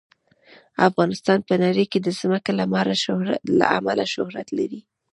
افغانستان په نړۍ کې د ځمکه له امله شهرت لري.